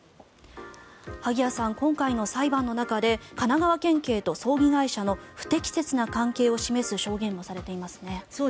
萩谷さん、今回の裁判の中で神奈川県警と葬儀会社の不適切な関係を示す証言もされていますね。